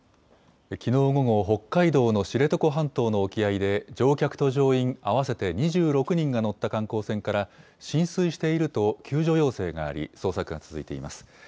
きのう午後、北海道の知床半島の沖合で、乗客と乗員合わせて２６人が乗った観光船から、浸水していると救助要請があり、捜索が続いています。